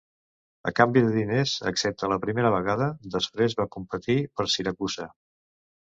A canvi de diners, excepte la primera vegada, després va competir per Siracusa.